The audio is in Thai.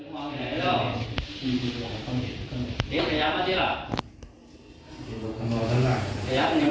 สักทีแล้ว